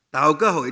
tạo cơ hội